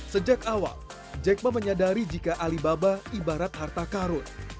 sejak awal jack ma menyadari jika alibaba ibarat harta karun